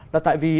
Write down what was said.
là tại vì